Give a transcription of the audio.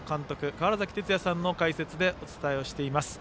川原崎哲也さんの解説でお伝えをしています。